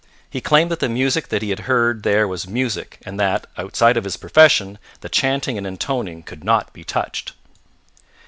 He claimed that the music that he had heard there was music, and that (outside of his profession) the chanting and intoning could not be touched.